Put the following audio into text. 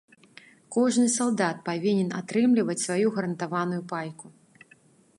Кожны салдат павінен атрымліваць сваю гарантаваную пайку.